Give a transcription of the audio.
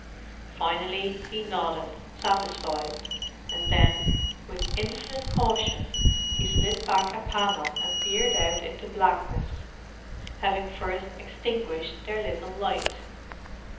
Finally he nodded, satisfied, and then, with infinite caution, he slid back a panel and peered out into blackness—having first extinguished their little light.